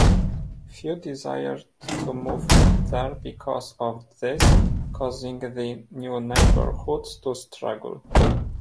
Few desired to move there because of this, causing the new neighborhoods to struggle.